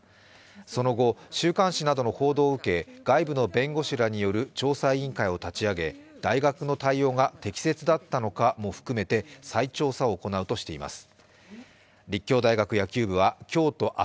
その後、週刊誌などの報道を受け外部の弁護士らによる調査委員会を立ち上げ大学の対応が適切だったのかも含めて再調査を行うとしています。